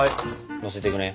のせていくね。